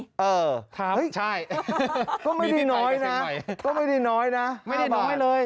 เออใช่มีที่ไทยกับเชียงใหม่นะมีที่ไทยกับเชียงใหม่นะ๕บาทไม่ได้น้องให้เลย